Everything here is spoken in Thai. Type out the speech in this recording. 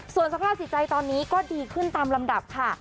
ส่วนสภาพจิตใจตอนนี้ก็ดีขึ้นตามลำดับค่ะ